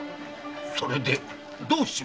それでどうしました？